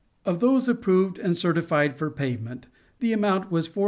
Of those approved and certified for payment the amount was $451,105.